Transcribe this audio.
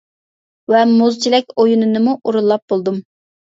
ۋە مۇز چېلەك ئويۇنىنىمۇ ئورۇنلاپ بولدۇم.